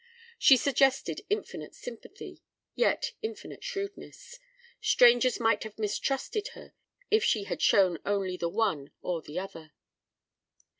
She suggested infinite sympathy, yet infinite shrewdness. Strangers might have mistrusted her if she had shown only the one or the other.